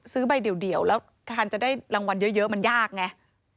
ซื้อใบเดียวแล้วทานจะได้รางวัลเยอะมันยากไง